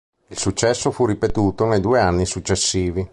Il successo fu ripetuto nei due anni successivi.